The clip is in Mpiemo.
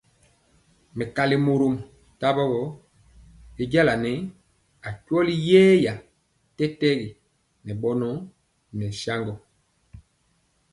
Mɛkali mɔrom tawo gɔ, y jaŋa nɛɛ akweli yeeya tɛtɛgi ŋɛ bɔnɔ nɛ saŋgɔ.